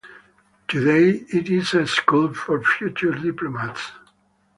Today it is a school for future diplomats.